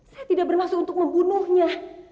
saya tidak bermaksud untuk membunuhnya